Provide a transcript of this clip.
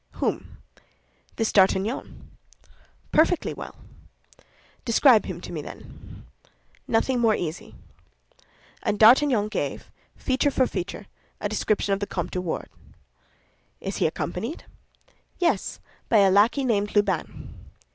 "Whom?" "This D'Artagnan." "Perfectly well." "Describe him to me, then." "Nothing more easy." And D'Artagnan gave, feature for feature, a description of the Comte de Wardes. "Is he accompanied?" "Yes; by a lackey named Lubin."